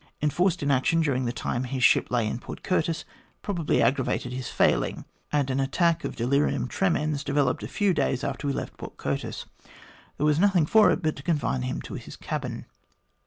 Enforced inaction during the time his ship lay in Port Curtis probably aggravated his failing, and an attack of delirium tremens developed a few days after we left Port Curtis. There was nothing for it but to confine him to his cabin.